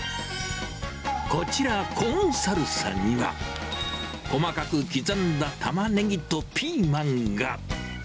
こちら、コーンサルサには、細かく刻んだタマネギとピーマンが。